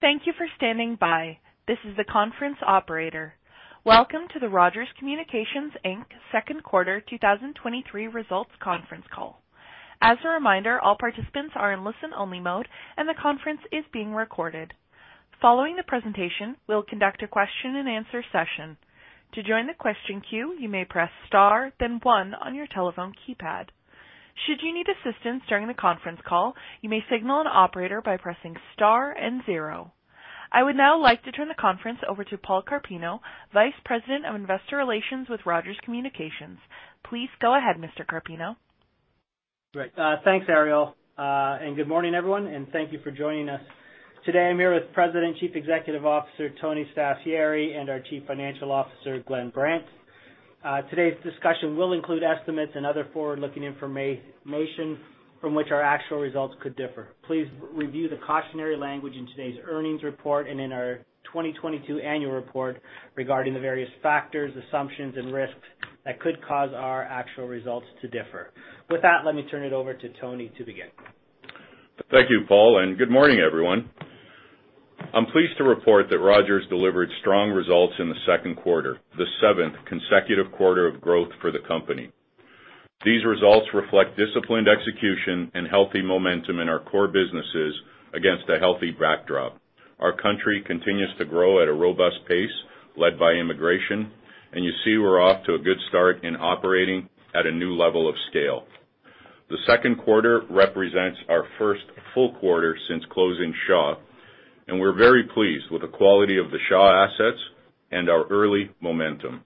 Thank you for standing by. This is the conference operator. Welcome to the Rogers Communications Inc. Q2 2023 results conference call. As a reminder, all participants are in listen-only mode, and the conference is being recorded. Following the presentation, we'll conduct a question-and-answer session. To join the question queue, you may press Star, then 1 on your telephone keypad. Should you need assistance during the conference call, you may signal an operator by pressing Star and 0. I would now like to turn the conference over to Paul Carpino, Vice President, Investor Relations with Rogers Communications. Please go ahead, Mr. Carpino. Great. Thanks, Ariel. Good morning, everyone, and thank you for joining us. Today, I'm here with President and Chief Executive Officer, Tony Staffieri, and our Chief Financial Officer, Glenn Brandt. Today's discussion will include estimates and other forward-looking information from which our actual results could differ. Please review the cautionary language in today's earnings report and in our 2022 annual report regarding the various factors, assumptions, and risks that could cause our actual results to differ. With that, let me turn it over to Tony to begin. Thank you, Paul, and good morning, everyone. I'm pleased to report that Rogers delivered strong results in the Q2, the seventh consecutive quarter of growth for the company. These results reflect disciplined execution and healthy momentum in our core businesses against a healthy backdrop. Our country continues to grow at a robust pace, led by immigration, and you see we're off to a good start in operating at a new level of scale. The Q2 represents our first full quarter since closing Shaw, and we're very pleased with the quality of the Shaw assets and our early momentum.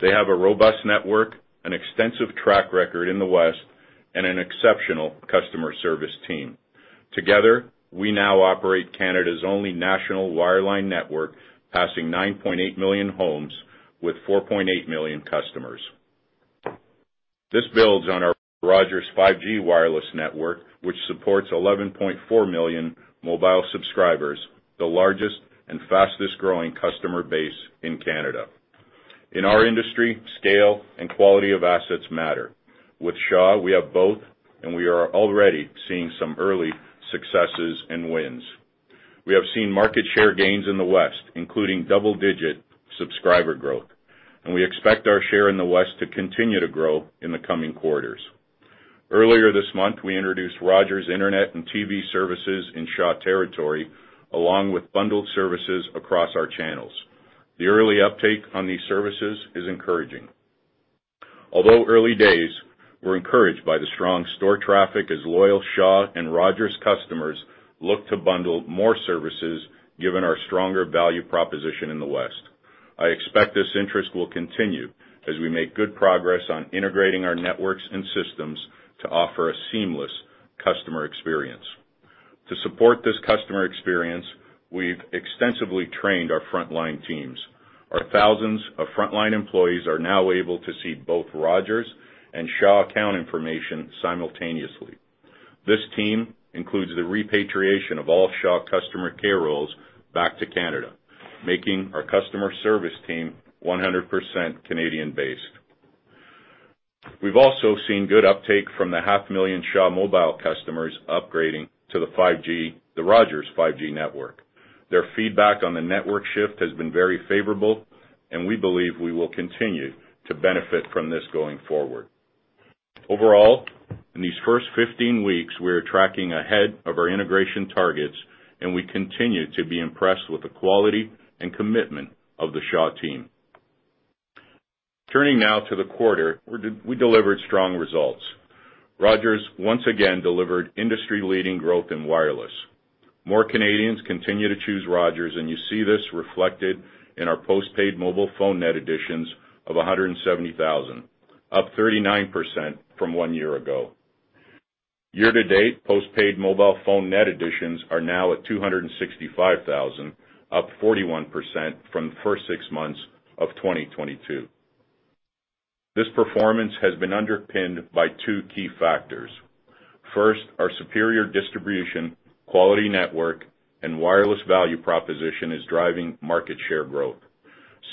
They have a robust network, an extensive track record in the West, and an exceptional customer service team. Together, we now operate Canada's only national wireline network, passing 9.8 million homes with 4.8 million customers. This builds on our Rogers 5G wireless network, which supports 11.4 million mobile subscribers, the largest and fastest-growing customer base in Canada. In our industry, scale and quality of assets matter. With Shaw, we have both, and we are already seeing some early successes and wins. We have seen market share gains in the West, including double-digit subscriber growth, and we expect our share in the West to continue to grow in the coming quarters. Earlier this month, we introduced Rogers Internet and TV services in Shaw territory, along with bundled services across our channels. The early uptake on these services is encouraging. Although early days, we're encouraged by the strong store traffic as loyal Shaw and Rogers customers look to bundle more services, given our stronger value proposition in the West. I expect this interest will continue as we make good progress on integrating our networks and systems to offer a seamless customer experience. To support this customer experience, we've extensively trained our frontline teams. Our thousands of frontline employees are now able to see both Rogers and Shaw account information simultaneously. This team includes the repatriation of all Shaw customer care roles back to Canada, making our customer service team 100% Canadian-based. We've also seen good uptake from the half million Shaw Mobile customers upgrading to the Rogers 5G network. Their feedback on the network shift has been very favorable, and we believe we will continue to benefit from this going forward. Overall, in these first 15 weeks, we are tracking ahead of our integration targets, and we continue to be impressed with the quality and commitment of the Shaw team. Turning now to the quarter, we delivered strong results. Rogers once again delivered industry-leading growth in wireless. More Canadians continue to choose Rogers, you see this reflected in our postpaid mobile phone net additions of 170,000, up 39% from one year ago. Year to date, postpaid mobile phone net additions are now at 265,000, up 41% from the first 6 months of 2022. This performance has been underpinned by two key factors. First, our superior distribution, quality network, and wireless value proposition is driving market share growth.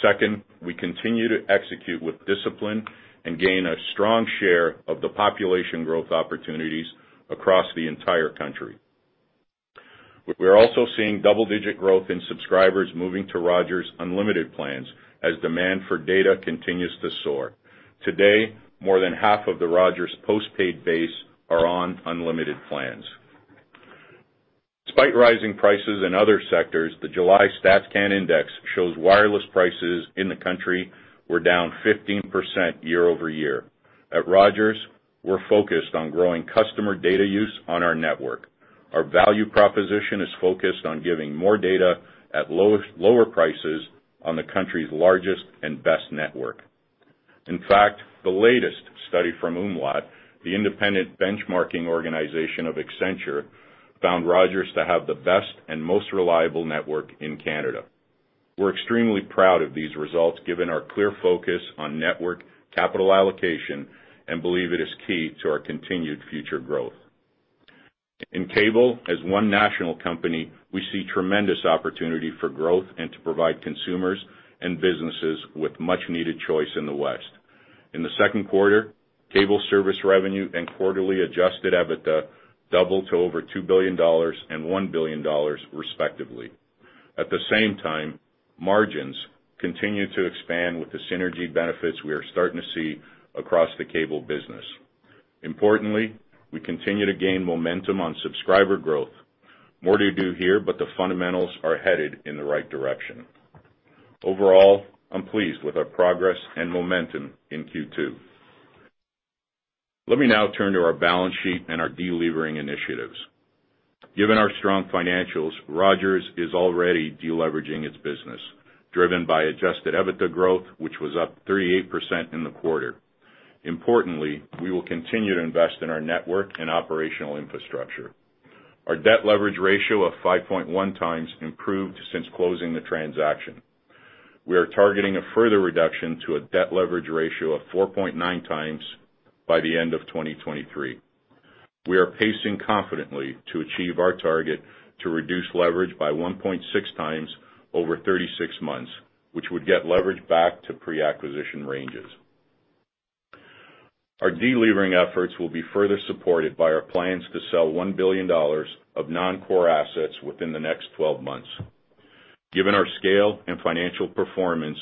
Second, we continue to execute with discipline and gain a strong share of the population growth opportunities across the entire country. We are also seeing double-digit growth in subscribers moving to Rogers' unlimited plans as demand for data continues to soar. Today, more than half of the Rogers' postpaid base are on unlimited plans. Despite rising prices in other sectors, the July StatsCan index shows wireless prices in the country were down 15% year-over-year. At Rogers, we're focused on growing customer data use on our network. Our value proposition is focused on giving more data at low, lower prices on the country's largest and best network. In fact, the latest study from umlaut, the independent benchmarking organization of Accenture, found Rogers to have the best and most reliable network in Canada. We're extremely proud of these results, given our clear focus on network capital allocation and believe it is key to our continued future growth. In cable, as one national company, we see tremendous opportunity for growth and to provide consumers and businesses with much-needed choice in the West. In the Q2, cable service revenue and quarterly adjusted EBITDA doubled to over 2 billion dollars and 1 billion dollars, respectively. At the same time, margins continued to expand with the synergy benefits we are starting to see across the cable business. Importantly, we continue to gain momentum on subscriber growth. More to do here, but the fundamentals are headed in the right direction. Overall, I'm pleased with our progress and momentum in Q2. Let me now turn to our balance sheet and our delevering initiatives. Given our strong financials, Rogers is already deleveraging its business, driven by adjusted EBITDA growth, which was up 38% in the quarter. Importantly, we will continue to invest in our network and operational infrastructure. Our debt leverage ratio of 5.1x improved since closing the transaction. We are targeting a further reduction to a debt leverage ratio of 4.9x by the end of 2023. We are pacing confidently to achieve our target to reduce leverage by 1.6x over 36 months, which would get leverage back to pre-acquisition ranges. Our delevering efforts will be further supported by our plans to sell 1 billion dollars of non-core assets within the next 12 months. Given our scale and financial performance,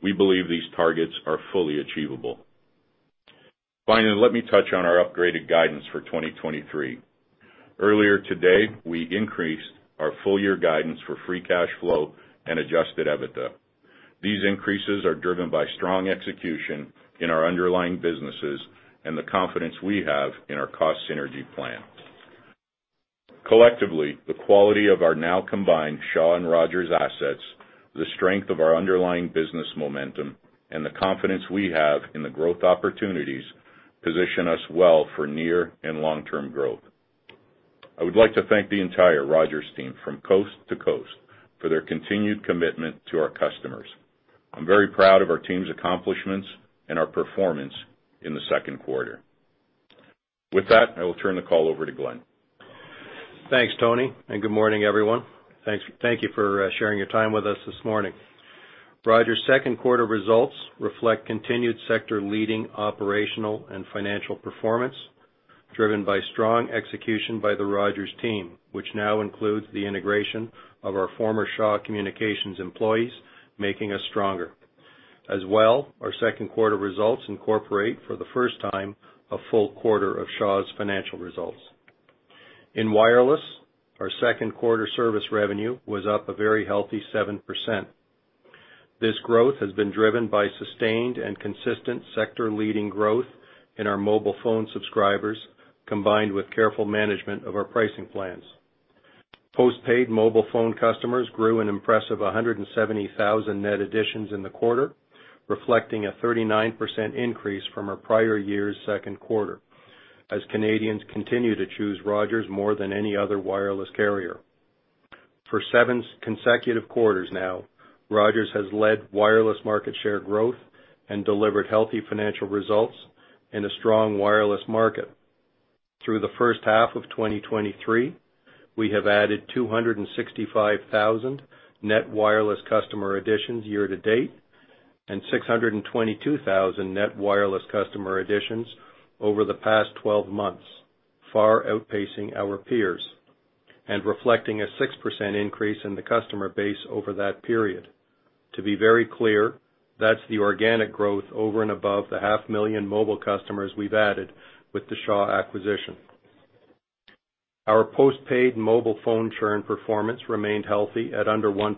we believe these targets are fully achievable. Let me touch on our upgraded guidance for 2023. Earlier today, we increased our full year guidance for free cash flow and adjusted EBITDA. These increases are driven by strong execution in our underlying businesses and the confidence we have in our cost synergy plan. Collectively, the quality of our now combined Shaw and Rogers assets, the strength of our underlying business momentum, and the confidence we have in the growth opportunities position us well for near and long-term growth. I would like to thank the entire Rogers team from coast to coast for their continued commitment to our customers. I'm very proud of our team's accomplishments and our performance in the Q2. With that, I will turn the call over to Glenn. Thanks, Tony, and good morning, everyone. Thank you for sharing your time with us this morning. Rogers' Q2 results reflect continued sector-leading operational and financial performance, driven by strong execution by the Rogers team, which now includes the integration of our former Shaw Communications employees, making us stronger. As well, our Q2 results incorporate, for the first time, a full quarter of Shaw's financial results. In wireless, our Q2 service revenue was up a very healthy 7%. This growth has been driven by sustained and consistent sector-leading growth in our mobile phone subscribers, combined with careful management of our pricing plans. Postpaid mobile phone customers grew an impressive 170,000 net additions in the quarter, reflecting a 39% increase from our prior year's Q2, as Canadians continue to choose Rogers more than any other wireless carrier. For seven consecutive quarters now, Rogers has led wireless market share growth and delivered healthy financial results in a strong wireless market. Through the first half of 2023, we have added 265,000 net wireless customer additions year to date, and 622,000 net wireless customer additions over the past 12 months, far outpacing our peers and reflecting a 6% increase in the customer base over that period. To be very clear, that's the organic growth over and above the 500,000 mobile customers we've added with the Shaw acquisition. Our postpaid mobile phone churn performance remained healthy at under 1%,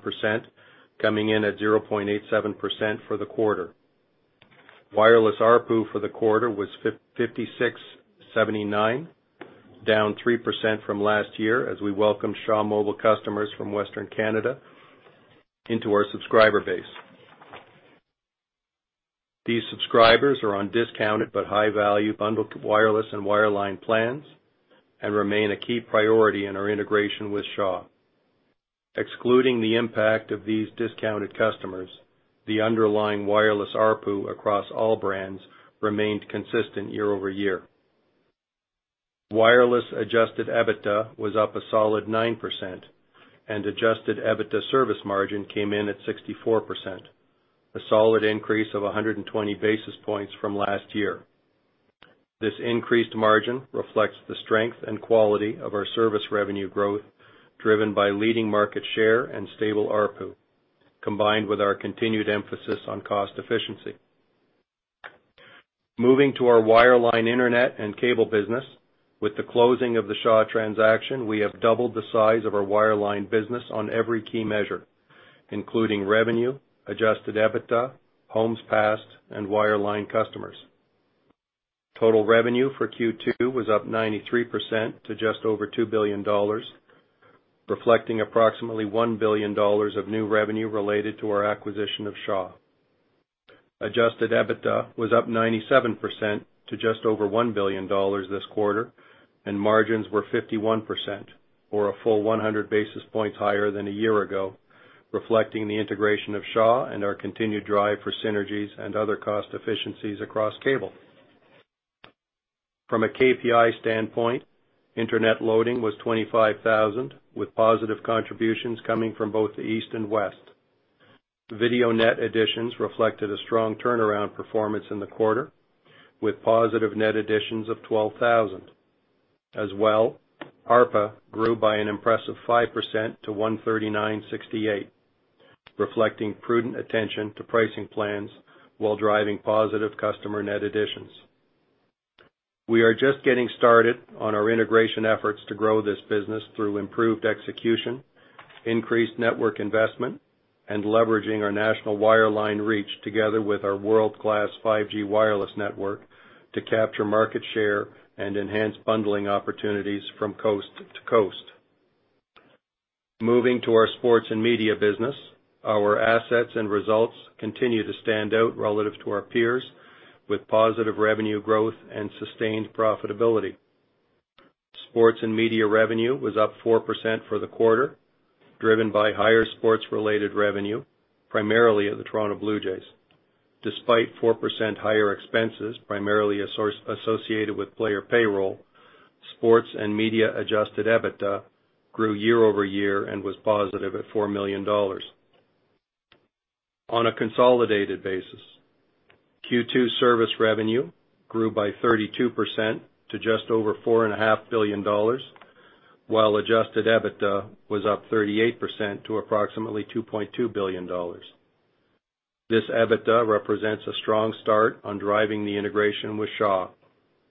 coming in at 0.87% for the quarter. Wireless ARPU for the quarter was 56.79, down 3% from last year, as we welcome Shaw Mobile customers from Western Canada into our subscriber base. These subscribers are on discounted but high-value bundled wireless and wireline plans and remain a key priority in our integration with Shaw. Excluding the impact of these discounted customers, the underlying wireless ARPU across all brands remained consistent year-over-year. Wireless adjusted EBITDA was up a solid 9%, and adjusted EBITDA service margin came in at 64%, a solid increase of 120 basis points from last year. This increased margin reflects the strength and quality of our service revenue growth, driven by leading market share and stable ARPU, combined with our continued emphasis on cost efficiency. Moving to our wireline internet and cable business, with the closing of the Shaw transaction, we have doubled the size of our wireline business on every key measure, including revenue, adjusted EBITDA, homes passed, and wireline customers. Total revenue for Q2 was up 93% to just over 2 billion dollars, reflecting approximately 1 billion dollars of new revenue related to our acquisition of Shaw. Adjusted EBITDA was up 97% to just over 1 billion dollars this quarter, and margins were 51%, or a full 100 basis points higher than a year ago, reflecting the integration of Shaw and our continued drive for synergies and other cost efficiencies across cable. From a KPI standpoint, internet loading was 25,000, with positive contributions coming from both the East and West. Video net additions reflected a strong turnaround performance in the quarter, with positive net additions of 12,000. ARPA grew by an impressive 5% to 139.68, reflecting prudent attention to pricing plans while driving positive customer net additions. We are just getting started on our integration efforts to grow this business through improved execution, increased network investment, and leveraging our national wireline reach together with our world-class 5G wireless network to capture market share and enhance bundling opportunities from coast to coast. Moving to our sports and media business, our assets and results continue to stand out relative to our peers, with positive revenue growth and sustained profitability. Sports and media revenue was up 4% for the quarter, driven by higher sports-related revenue, primarily at the Toronto Blue Jays. Despite 4% higher expenses, primarily associated with player payroll, sports and media adjusted EBITDA grew year-over-year and was positive at 4 million dollars. On a consolidated basis, Q2 service revenue grew by 32% to just over four and a half billion dollars, while adjusted EBITDA was up 38% to approximately 2.2 billion dollars. This EBITDA represents a strong start on driving the integration with Shaw,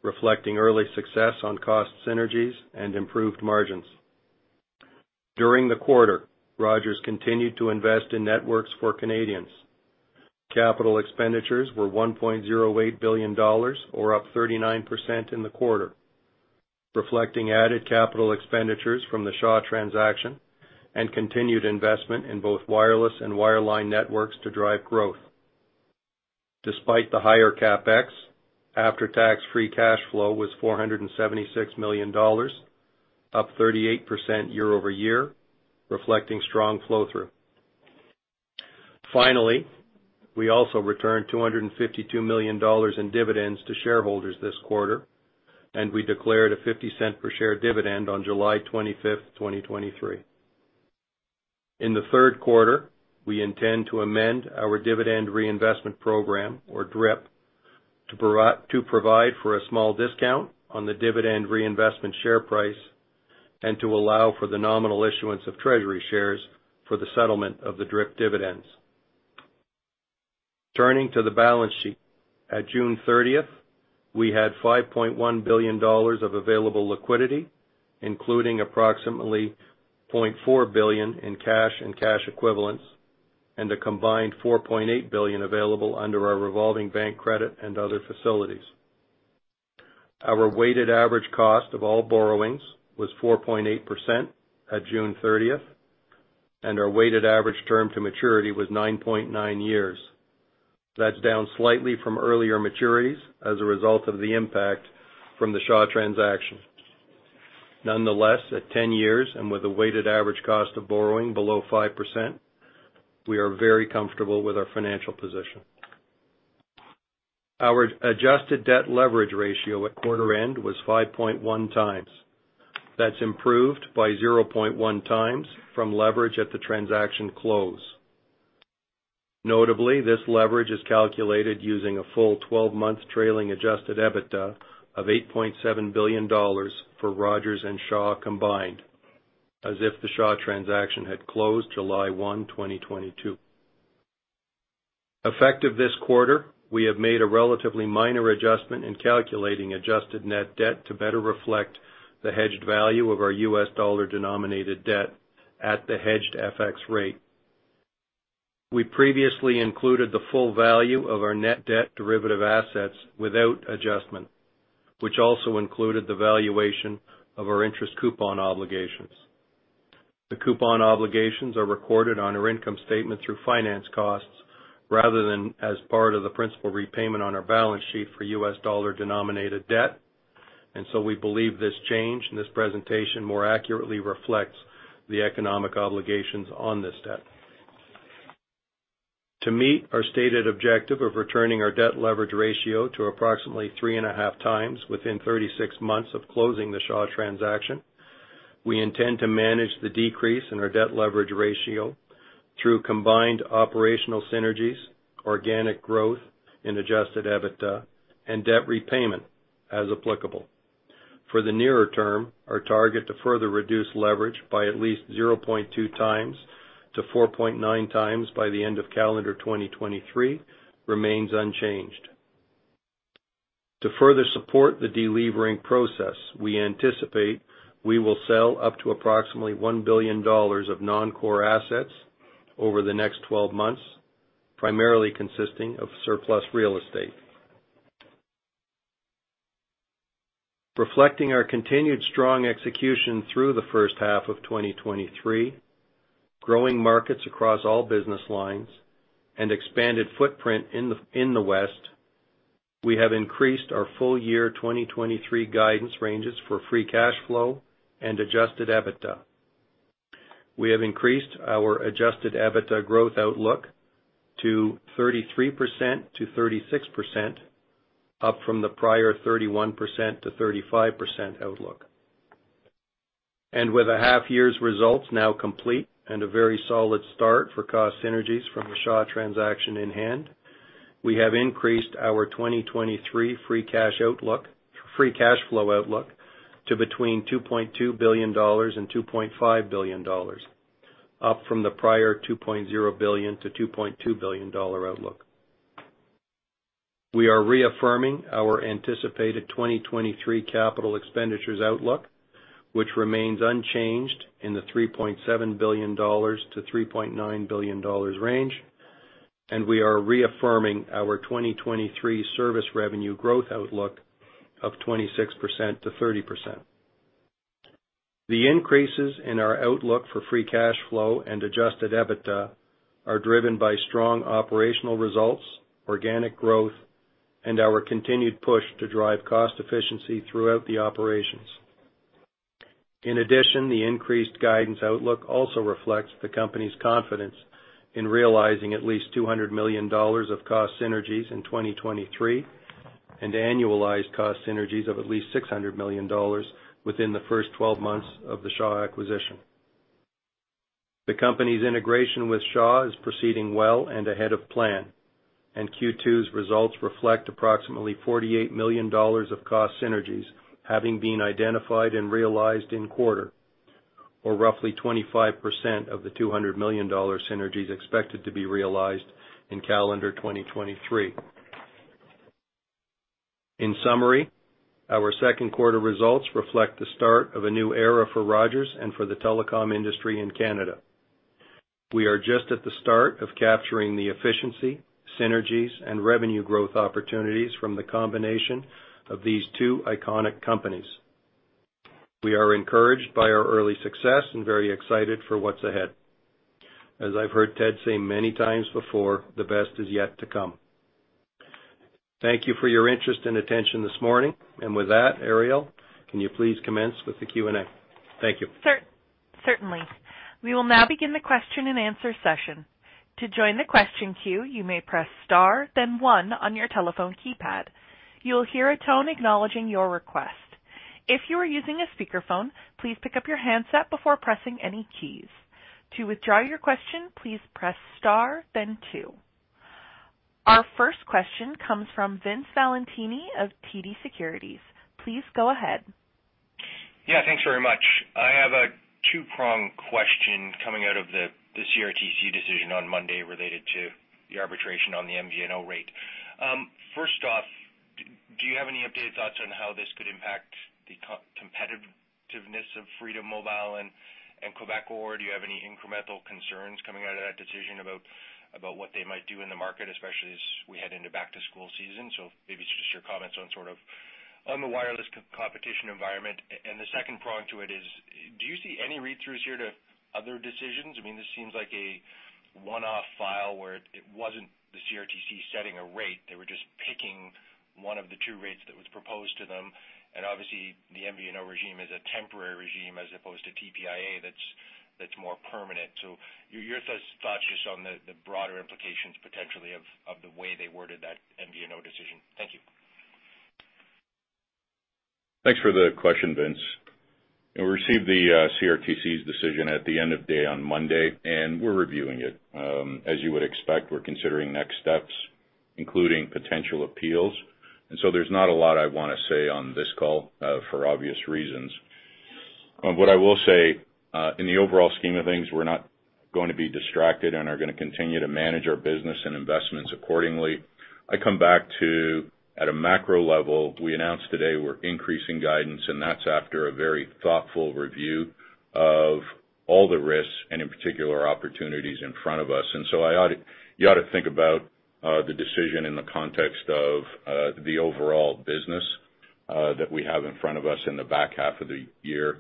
reflecting early success on cost synergies and improved margins. During the quarter, Rogers continued to invest in networks for Canadians. Capital expenditures were 1.08 billion dollars, or up 39% in the quarter, reflecting added capital expenditures from the Shaw transaction and continued investment in both wireless and wireline networks to drive growth. Despite the higher CapEx, after-tax free cash flow was 476 million dollars, up 38% year-over-year, reflecting strong flow-through. Finally, we also returned 252 million dollars in dividends to shareholders this quarter, and we declared a 0.50 per share dividend on July 25, 2023. In the Q3, we intend to amend our dividend reinvestment program, or DRIP, to provide for a small discount on the dividend reinvestment share price and to allow for the nominal issuance of treasury shares for the settlement of the DRIP dividends. Turning to the balance sheet, at June 30, we had 5.1 billion dollars of available liquidity, including approximately 0.4 billion in cash and cash equivalents, and a combined 4.8 billion available under our revolving bank credit and other facilities. Our weighted average cost of all borrowings was 4.8% at June 30, and our weighted average term to maturity was 9.9 years. That's down slightly from earlier maturities as a result of the impact from the Shaw transaction. Nonetheless, at 10 years, and with a weighted average cost of borrowing below 5%, we are very comfortable with our financial position. Our adjusted debt leverage ratio at quarter end was 5.1x. That's improved by 0.1x from leverage at the transaction close. Notably, this leverage is calculated using a full 12-month trailing adjusted EBITDA of 8.7 billion dollars for Rogers and Shaw combined, as if the Shaw transaction had closed July 1, 2022. Effective this quarter, we have made a relatively minor adjustment in calculating adjusted net debt to better reflect the hedged value of our US dollar-denominated debt at the hedged FX rate. We previously included the full value of our net debt derivative assets without adjustment, which also included the valuation of our interest coupon obligations. The coupon obligations are recorded on our income statement through finance costs rather than as part of the principal repayment on our balance sheet for U.S. dollar-denominated debt. We believe this change in this presentation more accurately reflects the economic obligations on this debt. To meet our stated objective of returning our debt leverage ratio to approximately 3.5x within 36 months of closing the Shaw transaction, we intend to manage the decrease in our debt leverage ratio through combined operational synergies, organic growth in adjusted EBITDA, and debt repayment as applicable. For the nearer term, our target to further reduce leverage by at least 0.2x to 4.9x by the end of calendar 2023 remains unchanged. To further support the delevering process, we anticipate we will sell up to approximately 1 billion dollars of non-core assets over the next 12 months, primarily consisting of surplus real estate. Reflecting our continued strong execution through the first half of 2023, growing markets across all business lines, and expanded footprint in the West, we have increased our full year 2023 guidance ranges for free cash flow and adjusted EBITDA. we have increased our adjusted EBITDA growth outlook to 33%-36%, up from the prior 31%-35% outlook. With a half year's results now complete and a very solid start for cost synergies from the Shaw transaction in hand, we have increased our 2023 free cash flow outlook to between 2.2 billion dollars and 2.5 billion dollars, up from the prior 2.0 billion-2.2 billion dollar outlook. We are reaffirming our anticipated 2023 capital expenditures outlook, which remains unchanged in the 3.7 billion-3.9 billion dollars range, and we are reaffirming our 2023 service revenue growth outlook of 26%-30%. The increases in our outlook for free cash flow and adjusted EBITDA are driven by strong operational results, organic growth, and our continued push to drive cost efficiency throughout the operations. In addition, the increased guidance outlook also reflects the company's confidence in realizing at least 200 million dollars of cost synergies in 2023 and annualized cost synergies of at least 600 million dollars within the first 12 months of the Shaw acquisition. The company's integration with Shaw is proceeding well and ahead of plan, and Q2's results reflect approximately 48 million dollars of cost synergies, having been identified and realized in quarter, or roughly 25% of the 200 million dollar synergies expected to be realized in calendar 2023. In summary, our Q2 results reflect the start of a new era for Rogers and for the telecom industry in Canada. We are just at the start of capturing the efficiency, synergies, and revenue growth opportunities from the combination of these two iconic companies. We are encouraged by our early success and very excited for what's ahead. As I've heard Ted say many times before, the best is yet to come. Thank you for your interest and attention this morning. With that, Ariel, can you please commence with the Q&A? Thank you. Certainly. We will now begin the question-and-answer session. To join the question queue, you may press star, then 1 on your telephone keypad. You will hear a tone acknowledging your request. If you are using a speakerphone, please pick up your handset before pressing any keys. To withdraw your question, please press star then 2. Our first question comes from Vince Valentini of TD Securities. Please go ahead. Yeah, thanks very much. I have a two-prong question coming out of the CRTC decision on Monday related to the arbitration on the MVNO rate. First off, do you have any updated thoughts on how this could impact the competitiveness of Freedom Mobile and Quebecor? Do you have any incremental concerns coming out of that decision about what they might do in the market, especially as we head into back-to-school season? Maybe just your comments on sort of on the wireless competition environment. The second prong to it is, do you see any read-throughs here to other decisions? I mean, this seems like a one-off file where it wasn't the CRTC setting a rate. They were just picking one of the two rates that was proposed to them, and obviously, the MVNO regime is a temporary regime as opposed to TPIA that's more permanent. your thoughts just on the broader implications potentially of the way they worded that MVNO decision. Thank you. Thanks for the question, Vince. We received the CRTC's decision at the end of day on Monday. We're reviewing it. As you would expect, we're considering next steps, including potential appeals. There's not a lot I want to say on this call for obvious reasons. What I will say in the overall scheme of things, we're not going to be distracted and are going to continue to manage our business and investments accordingly. I come back to, at a macro level, we announced today we're increasing guidance. That's after a very thoughtful review of all the risks and, in particular, opportunities in front of us. You ought to think about the decision in the context of the overall business that we have in front of us in the back half of the year.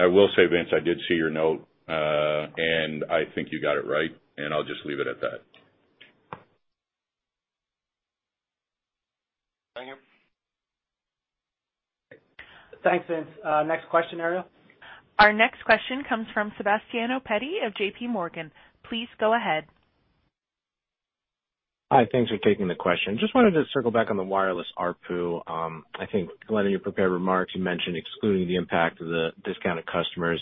I will say, Vince, I did see your note. I think you got it right. I'll just leave it at that. Thank you. Thanks, Vince. Next question, Ariel. Our next question comes from Sebastiano Petti of JP Morgan. Please go ahead. Hi, thanks for taking the question. Just wanted to circle back on the wireless ARPU. I think Glenn, in your prepared remarks, you mentioned excluding the impact of the discounted customers,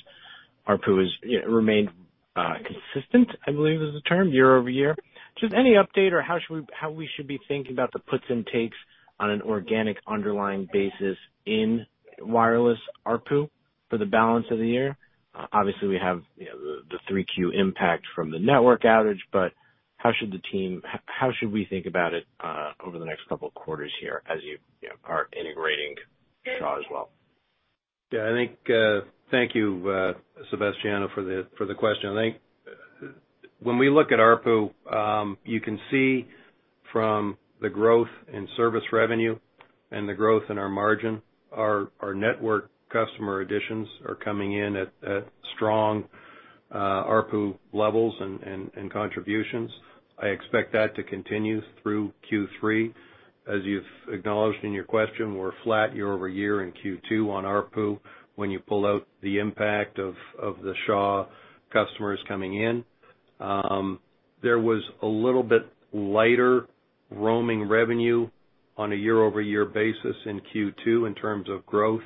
ARPU is, you know, remained consistent, I believe is the term, year-over-year. Just any update or how we should be thinking about the puts and takes on an organic underlying basis in wireless ARPU for the balance of the year? Obviously, we have, you know, the Q3 impact from the network outage, how should we think about it over the next couple of quarters here as you know, are integrating Shaw as well? Yeah, I think, thank you, Sebastiano, for the question. I think, when we look at ARPU, you can see from the growth in service revenue and the growth in our margin, our network customer additions are coming in at strong ARPU levels and contributions. I expect that to continue through Q3. As you've acknowledged in your question, we're flat year-over-year in Q2 on ARPU when you pull out the impact of the Shaw customers coming in. There was a little bit lighter roaming revenue on a year-over-year basis in Q2 in terms of growth.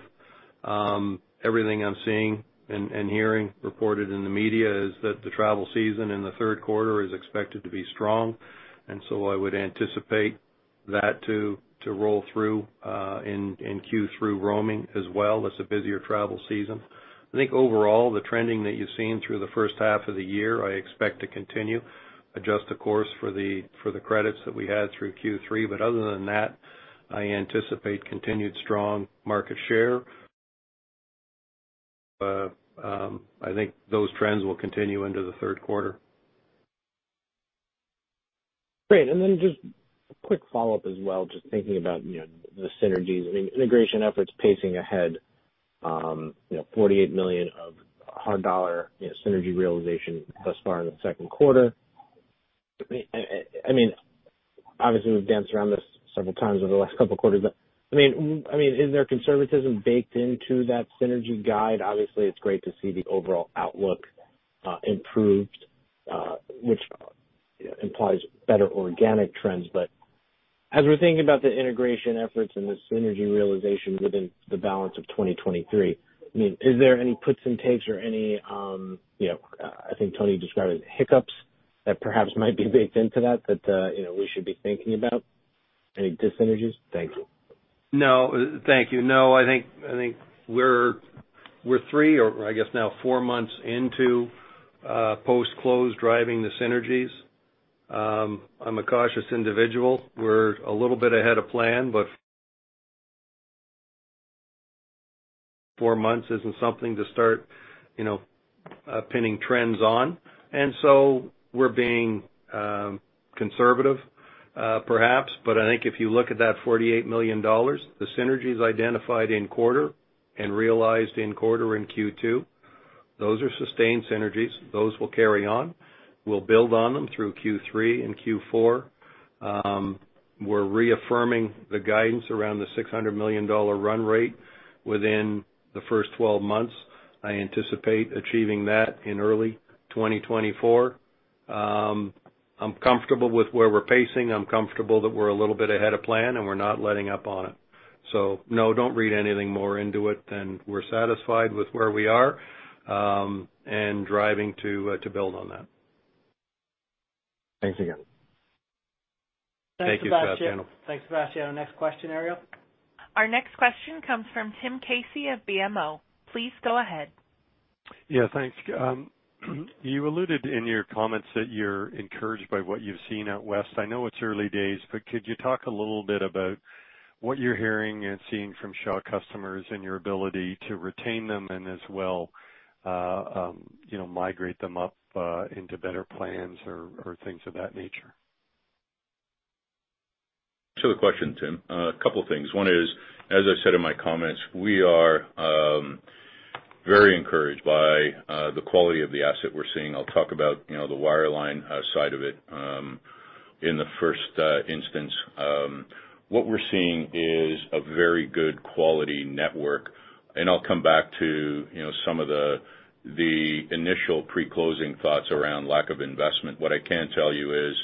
Everything I'm seeing and hearing reported in the media is that the travel season in the Q3 is expected to be strong, I would anticipate that to roll through in Q3 roaming as well, as a busier travel season. I think overall, the trending that you've seen through the first half of the year, I expect to continue. Adjust the course for the credits that we had through Q3, other than that, I anticipate continued strong market share. I think those trends will continue into the Q3. Great. Then just a quick follow-up as well, just thinking about, you know, the synergies and integration efforts pacing ahead, you know, 48 million of hard dollar, you know, synergy realization thus far in the Q2. I mean, obviously, we've danced around this several times over the last couple of quarters, but, I mean, is there conservatism baked into that synergy guide? Obviously, it's great to see the overall outlook improved, which, you know, implies better organic trends. As we're thinking about the integration efforts and the synergy realization within the balance of 2023, I mean, is there any puts and takes or any, you know, I think Tony described it, hiccups that perhaps might be baked into that, you know, we should be thinking about? Any dis-synergies? Thank you. No. Thank you. No, I think we're three or I guess now four months into post-close driving the synergies. I'm a cautious individual. We're a little bit ahead of plan, but four months isn't something to start, you know, pinning trends on. We're being conservative, perhaps, but I think if you look at that 48 million dollars, the synergies identified in quarter and realized in quarter in Q2, those are sustained synergies. Those will carry on. We'll build on them through Q3 and Q4. We're reaffirming the guidance around the 600 million dollar run rate within the first 12 months. I anticipate achieving that in early 2024. I'm comfortable with where we're pacing. I'm comfortable that we're a little bit ahead of plan, and we're not letting up on it. No, don't read anything more into it than we're satisfied with where we are, and driving to build on that. Thanks again. Thank you, Sebastian. Thanks, Sebastian. Next question, Ariel. Our next question comes from Tim Casey of BMO. Please go ahead. Thanks. You alluded in your comments that you're encouraged by what you've seen out west. I know it's early days, but could you talk a little bit about what you're hearing and seeing from Shaw customers and your ability to retain them and as well, you know, migrate them up into better plans or things of that nature? The question, Tim, a couple of things. One is, as I said in my comments, we are very encouraged by the quality of the asset we're seeing. I'll talk about, you know, the wireline side of it in the first instance. What we're seeing is a very good quality network, and I'll come back to, you know, some of the initial pre-closing thoughts around lack of investment. What I can tell you is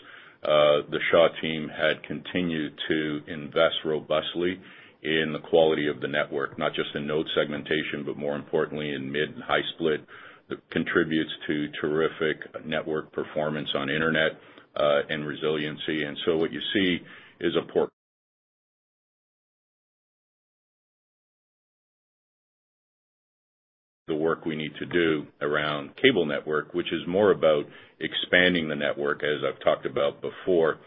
the Shaw team had continued to invest robustly in the quality of the network, not just in node segmentation, but more importantly, in mid and high split, that contributes to terrific network performance on internet and resiliency. What you see is a port... The work we need to do around cable network, which is more about expanding the network, as I've talked about before,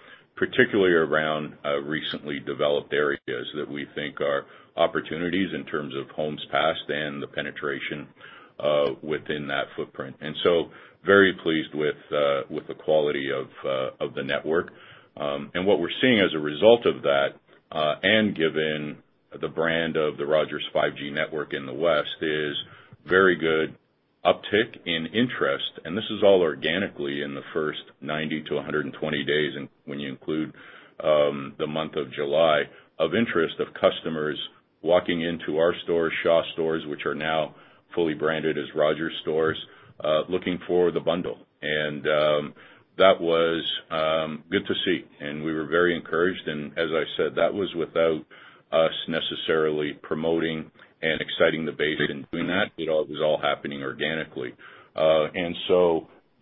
particularly around recently developed areas that we think are opportunities in terms of homes passed and the penetration within that footprint. Very pleased with the quality of the network. What we're seeing as a result of that, and given the brand of the Rogers 5G network in the West, is very good uptick in interest. This is all organically in the first 90-120 days, and when you include the month of July, of interest of customers walking into our stores, Shaw stores, which are now fully branded as Rogers stores, looking for the bundle. That was good to see, and we were very encouraged. As I said, that was without us necessarily promoting and exciting the base in doing that. It was all happening organically.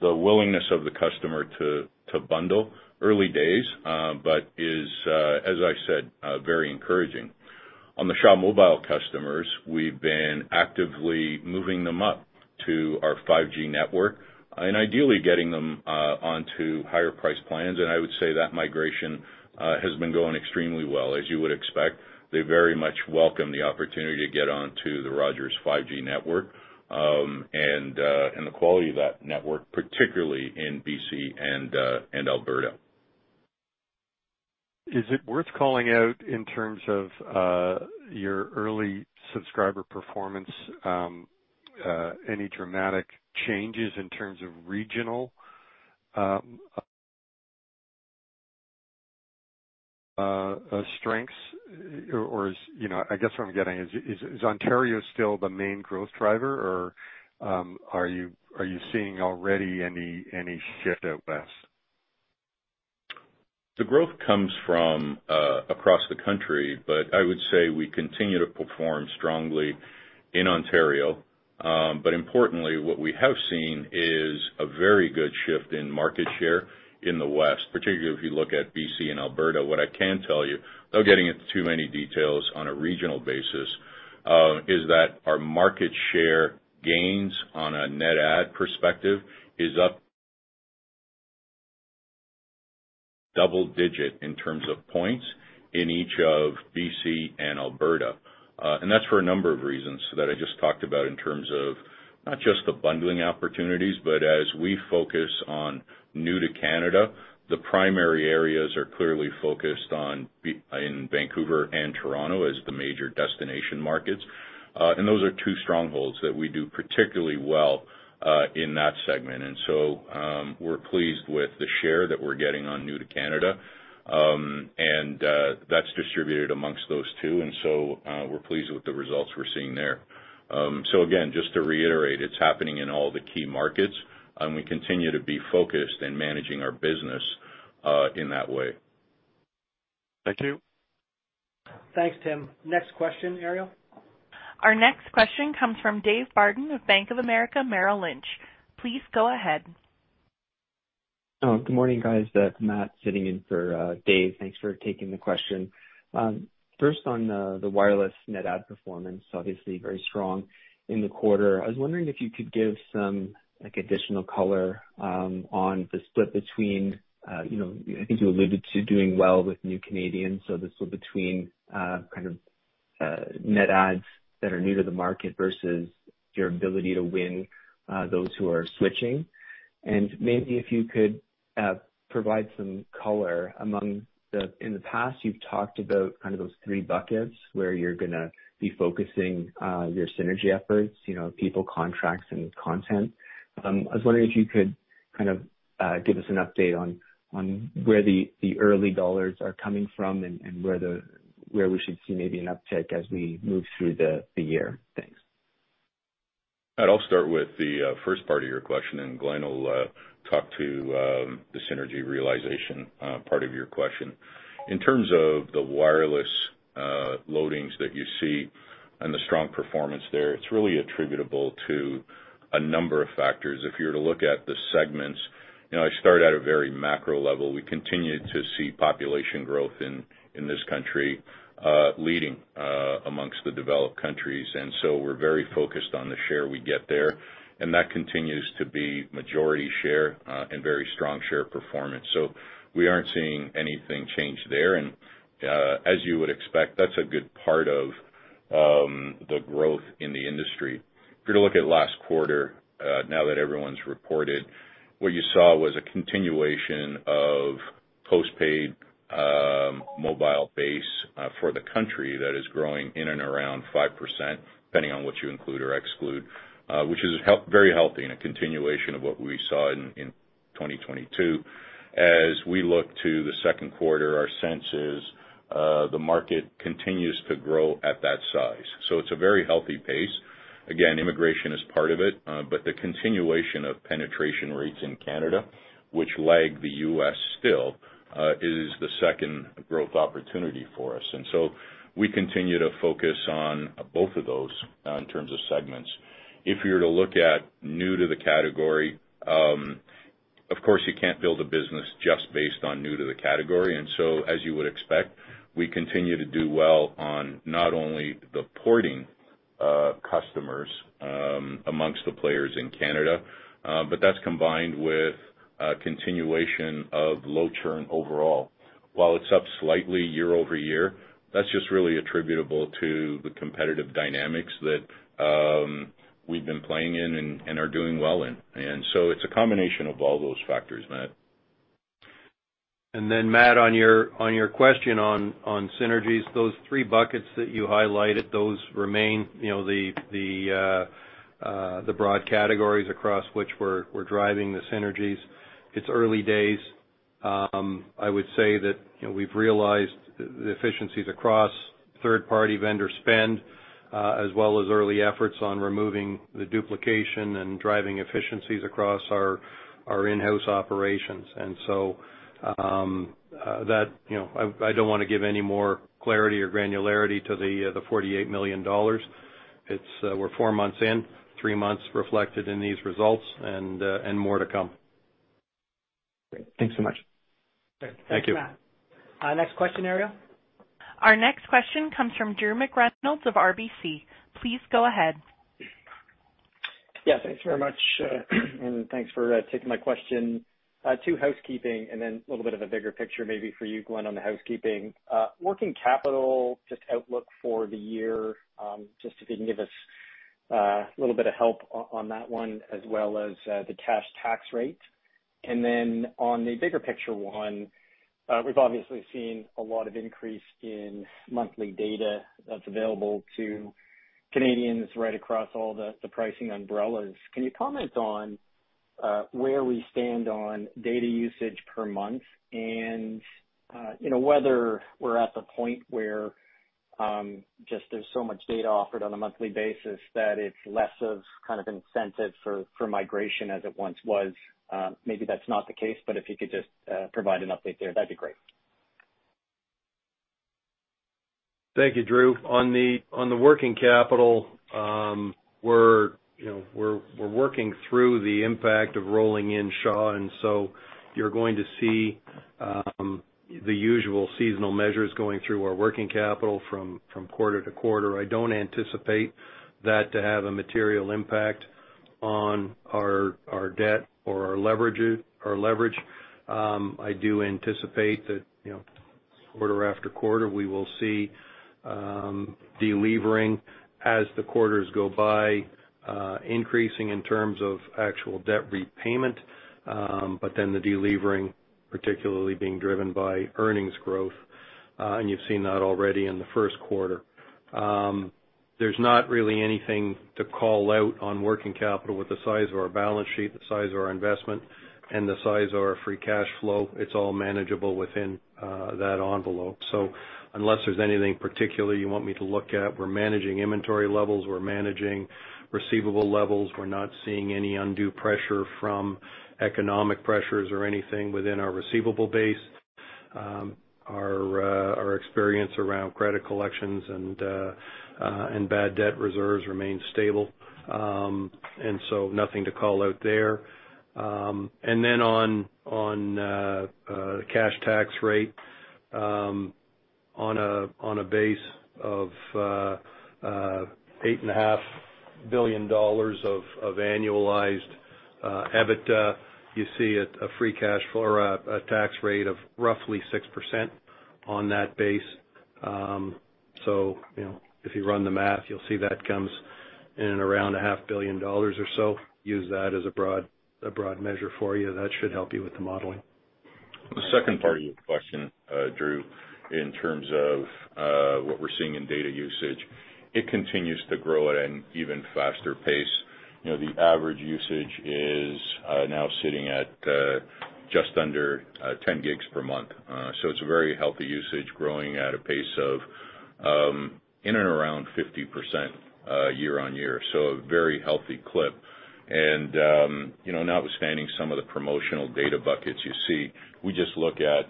The willingness of the customer to bundle, early days, but is, as I said, very encouraging. On the Shaw Mobile customers, we've been actively moving them up to our 5G network and ideally getting them onto higher priced plans. I would say that migration has been going extremely well. As you would expect, they very much welcome the opportunity to get onto the Rogers 5G network, and the quality of that network, particularly in BC and Alberta. Is it worth calling out in terms of your early subscriber performance, any dramatic changes in terms of regional? Strengths or is, you know, I guess what I'm getting at, is Ontario still the main growth driver, or, are you seeing already any shift out west? The growth comes from across the country, but I would say we continue to perform strongly in Ontario. Importantly, what we have seen is a very good shift in market share in the west, particularly if you look at BC and Alberta. What I can tell you, without getting into too many details on a regional basis, is that our market share gains on a net add perspective is up double-digit in terms of points in each of BC and Alberta. That's for a number of reasons that I just talked about in terms of not just the bundling opportunities, but as we focus on new to Canada, the primary areas are clearly focused in Vancouver and Toronto as the major destination markets. Those are two strongholds that we do particularly well in that segment. We're pleased with the share that we're getting on new to Canada. That's distributed amongst those two, and so, we're pleased with the results we're seeing there. Again, just to reiterate, it's happening in all the key markets, and we continue to be focused in managing our business, in that way. Thank you. Thanks, Tim. Next question, Ariel. Our next question comes from Dave Barden of Bank of America Merrill Lynch. Please go ahead. Good morning, guys. It's Matt sitting in for, Dave, thanks for taking the question. First on, the wireless net add performance, obviously very strong in the quarter. I was wondering if you could give some, like, additional color, on the split between, you know, I think you alluded to doing well with new Canadians, so this was between, kind of, net adds that are new to the market versus your ability to win, those who are switching. Maybe if you could, provide some color among the... In the past, you've talked about kind of those three buckets where you're gonna be focusing, your synergy efforts, you know, people, contracts, and content. I was wondering if you could kind of give us an update on where the early dollars are coming from and where we should see maybe an uptick as we move through the year? Thanks. Matt, I'll start with the first part of your question, and Glenn will talk to the synergy realization part of your question. In terms of the wireless loadings that you see and the strong performance there, it's really attributable to a number of factors. If you were to look at the segments, you know, I start at a very macro level. We continue to see population growth in this country, leading amongst the developed countries. We're very focused on the share we get there, and that continues to be majority share and very strong share performance. We aren't seeing anything change there, and as you would expect, that's a good part of the growth in the industry. If you were to look at last quarter, now that everyone's reported, what you saw was a continuation of postpaid mobile base for the country that is growing in and around 5%, depending on what you include or exclude, which is very healthy and a continuation of what we saw in 2022. As we look to the Q2, our sense is, the market continues to grow at that size. It's a very healthy pace. Immigration is part of it, but the continuation of penetration rates in Canada, which lag the U.S. still, is the second growth opportunity for us. We continue to focus on both of those in terms of segments. If you were to look at new to the category, of course, you can't build a business just based on new to the category. As you would expect, we continue to do well on not only the porting customers amongst the players in Canada, but that's combined with a continuation of low churn overall. While it's up slightly year-over-year, that's just really attributable to the competitive dynamics that we've been playing in and are doing well in. It's a combination of all those factors, Matt. Matt, on your question on synergies, those three buckets that you highlighted, those remain, you know, the broad categories across which we're driving the synergies. It's early days. I would say that, you know, we've realized the efficiencies across third-party vendor spend, as well as early efforts on removing the duplication and driving efficiencies across our in-house operations. That, you know, I don't want to give any more clarity or granularity to the 48 million dollars. It's, we're four months in, three months reflected in these results, and more to come. Great. Thanks so much. Thank you. Thanks, Matt.Next question, Ariel. Our next question comes from Drew McReynolds of RBC. Please go ahead. Thanks very much, and thanks for taking my question. Two housekeeping and then a little bit of a bigger picture maybe for you, Glenn, on the housekeeping. Working capital, just outlook for the year, just if you can give us a little bit of help on that one, as well as the cash tax rate. On the bigger picture one, we've obviously seen a lot of increase in monthly data that's available to Canadians right across all the pricing umbrellas. Can you comment where we stand on data usage per month, and, you know, whether we're at the point where just there's so much data offered on a monthly basis that it's less of kind of incentive for migration as it once was. Maybe that's not the case, but if you could just provide an update there, that'd be great. Thank you, Drew. On the working capital, you know, we're working through the impact of rolling in Shaw. You're going to see the usual seasonal measures going through our working capital from quarter to quarter. I don't anticipate that to have a material impact on our debt or our leverage. I do anticipate that, you know, quarter after quarter, we will see delevering as the quarters go by, increasing in terms of actual debt repayment, the delevering, particularly being driven by earnings growth. You've seen that already in the Q1. There's not really anything to call out on working capital with the size of our balance sheet, the size of our investment, and the size of our free cash flow. It's all manageable within that envelope. Unless there's anything particular you want me to look at, we're managing inventory levels, we're managing receivable levels. We're not seeing any undue pressure from economic pressures or anything within our receivable base. Our experience around credit collections and bad debt reserves remain stable. Nothing to call out there. On cash tax rate, on a base of eight and a half billion dollars of annualized EBITDA, you see a free cash flow, or a tax rate of roughly 6% on that base. You know, if you run the math, you'll see that comes in and around CAD a half billion dollars or so. Use that as a broad, a broad measure for you. That should help you with the modeling. The second part of your question, Drew, in terms of what we're seeing in data usage, it continues to grow at an even faster pace. You know, the average usage is now sitting at just under 10 gigs per month. It's a very healthy usage, growing at a pace of in and around 50% year-over-year, so a very healthy clip. You know, notwithstanding some of the promotional data buckets you see, we just look at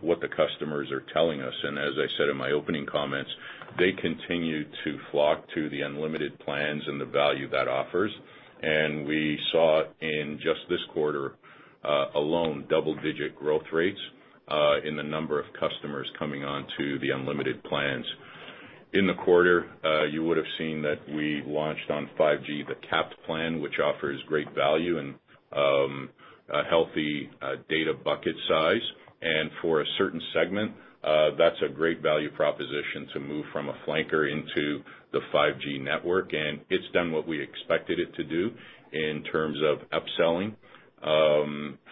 what the customers are telling us, and as I said in my opening comments, they continue to flock to the unlimited plans and the value that offers. We saw in just this quarter alone, double-digit growth rates in the number of customers coming on to the unlimited plans. In the quarter, you would have seen that we launched on 5G, the capped plan, which offers great value and a healthy data bucket size. For a certain segment, that's a great value proposition to move from a flanker into the 5G network, and it's done what we expected it to do in terms of upselling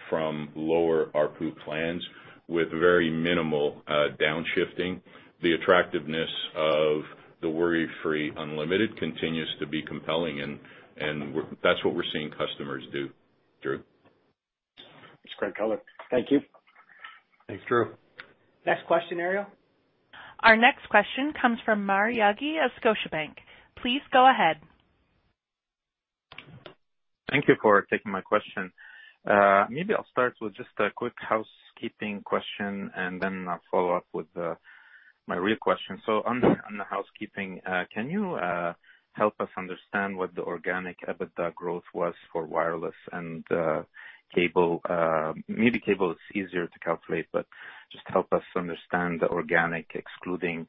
from lower ARPU plans with very minimal downshifting. The attractiveness of the worry-free unlimited continues to be compelling, and that's what we're seeing customers do, Drew. It's great color. Thank you. Thanks, Drew. Next question, Ariel. Our next question comes from Maher Yaghi of Scotiabank. Please go ahead. Thank you for taking my question. Maybe I'll start with just a quick housekeeping question, and then I'll follow up with my real question. On the housekeeping, can you help us understand what the organic EBITDA growth was for wireless and cable? Maybe cable is easier to calculate, but just help us understand the organic, excluding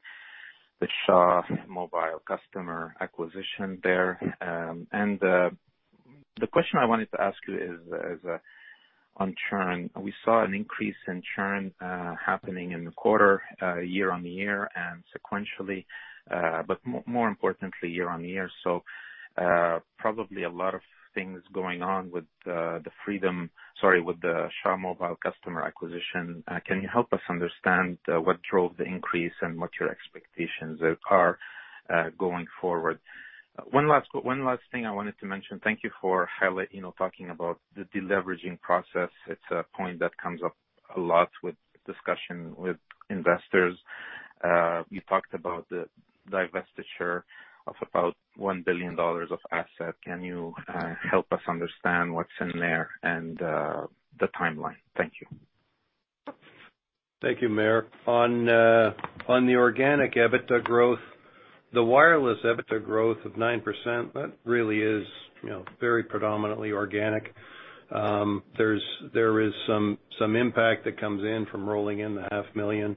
the Shaw Mobile customer acquisition there. The question I wanted to ask you is on churn. We saw an increase in churn happening in the quarter, year-over-year and sequentially, but more importantly, year-over-year. Probably a lot of things going on with the Freedom, sorry, with the Shaw Mobile customer acquisition. Can you help us understand what drove the increase and what your expectations are going forward? One last thing I wanted to mention: Thank you for highlight, you know, talking about the deleveraging process. It's a point that comes up a lot with discussion with investors. You talked about the divestiture of about 1 billion dollars of asset. Can you help us understand what's in there and the timeline? Thank you. Thank you, Maher. On the organic EBITDA growth, the wireless EBITDA growth of 9%, that really is, you know, very predominantly organic. There's some impact that comes in from rolling in the half million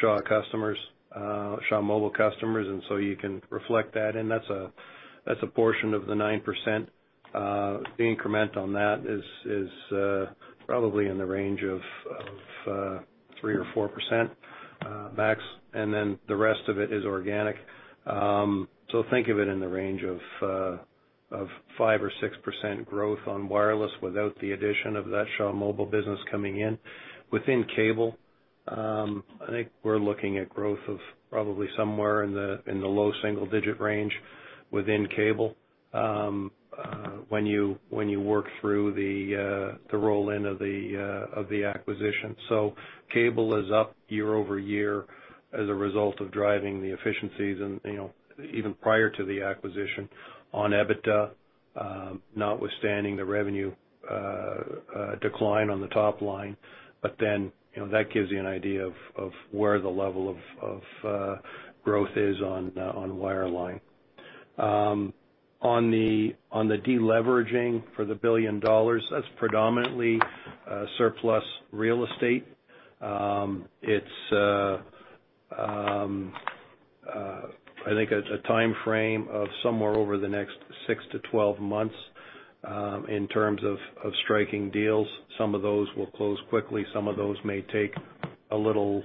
Shaw customers, Shaw Mobile customers. You can reflect that, and that's a portion of the 9%. The increment on that is probably in the range of 3% or 4% max. Then the rest of it is organic. Think of it in the range of 5% or 6% growth on wireless without the addition of that Shaw Mobile business coming in. Within cable. I think we're looking at growth of probably somewhere in the low single digit range within cable. When you work through the roll-in of the acquisition. Cable is up year-over-year as a result of driving the efficiencies and, you know, even prior to the acquisition on EBITDA, notwithstanding the revenue decline on the top line. You know, that gives you an idea of where the level of growth is on wireline. On the deleveraging for the 1 billion dollars, that's predominantly surplus real estate. It's, I think a timeframe of somewhere over the next 6-12 months, in terms of striking deals. Some of those will close quickly, some of those may take a little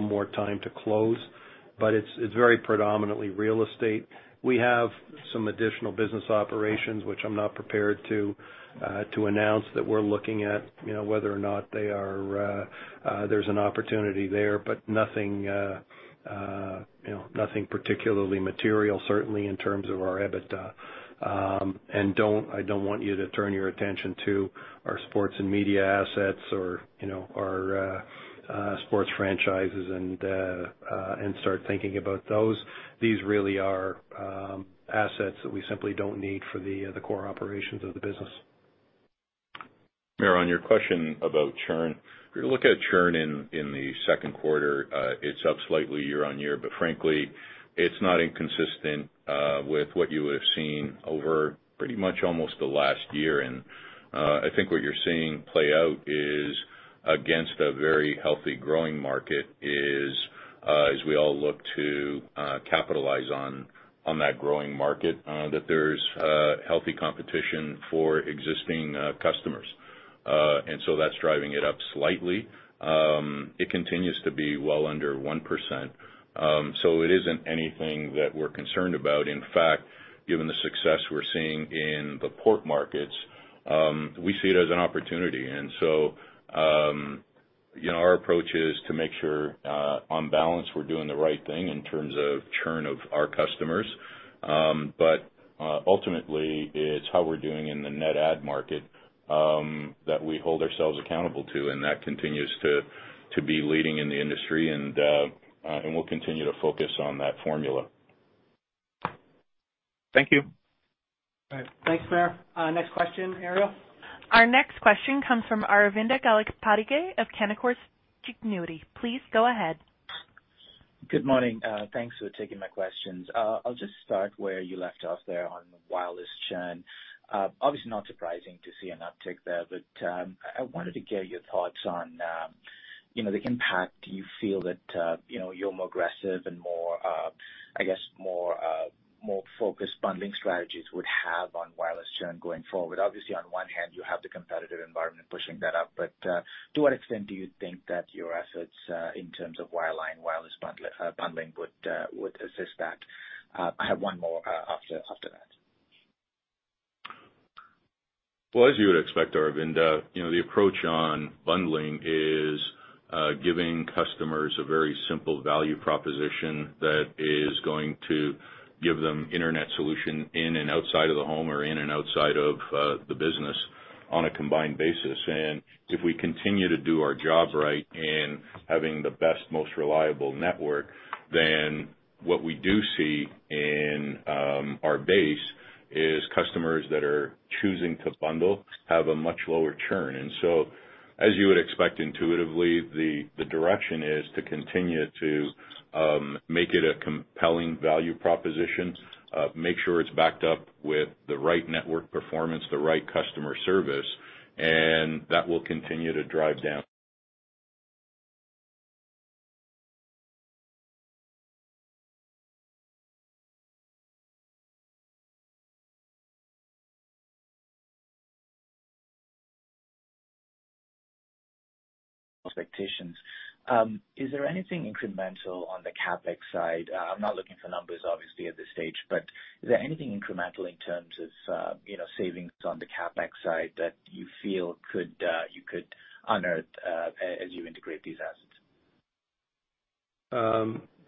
more time to close, but it's very predominantly real estate. We have some additional business operations, which I'm not prepared to announce, that we're looking at, you know, whether or not they are, there's an opportunity there, but nothing, you know, nothing particularly material, certainly in terms of our EBITDA. I don't want you to turn your attention to our sports and media assets or, you know, our sports franchises and start thinking about those. These really are assets that we simply don't need for the core operations of the business. Maher, on your question about churn. If you look at churn in the Q2, it's up slightly year-over-year, but frankly, it's not inconsistent with what you would have seen over pretty much almost the last year. I think what you're seeing play out is, against a very healthy growing market, is as we all look to capitalize on that growing market, that there's healthy competition for existing customers. That's driving it up slightly. It continues to be well under 1%. So it isn't anything that we're concerned about. In fact, given the success we're seeing in the port markets, we see it as an opportunity. you know, our approach is to make sure, on balance, we're doing the right thing in terms of churn of our customers. ultimately, it's how we're doing in the net add market, that we hold ourselves accountable to, and that continues to be leading in the industry, and we'll continue to focus on that formula. Thank you. All right. Thanks, Maher. Next question, Ariel? Our next question comes from Aravinda Galappatthige of Canaccord Genuity. Please go ahead. Good morning. Thanks for taking my questions. I'll just start where you left off there on the wireless churn. Obviously, not surprising to see an uptick there. I wanted to get your thoughts on, you know, the impact you feel that, you know, your more aggressive and more, I guess, more focused bundling strategies would have on wireless churn going forward. Obviously, on one hand, you have the competitive environment pushing that up. To what extent do you think that your assets, in terms of wireline, wireless bundling would assist that? I have one more, after that. Well, as you would expect, Aravinda, you know, the approach on bundling is giving customers a very simple value proposition that is going to give them internet solution in and outside of the home or in and outside of the business on a combined basis. If we continue to do our job right in having the best, most reliable network, then what we do see in our base is customers that are choosing to bundle have a much lower churn. As you would expect, intuitively, the direction is to continue to make it a compelling value proposition, make sure it's backed up with the right network performance, the right customer service, and that will continue to drive down. Expectations. Is there anything incremental on the CapEx side? I'm not looking for numbers, obviously, at this stage, but is there anything incremental in terms of, you know, savings on the CapEx side that you feel could, you could unearth, as you integrate these assets?